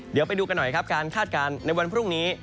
เดี๋ยวไปดูกันหน่อยครับการคาดการณ์ในวันพรุ่งนี้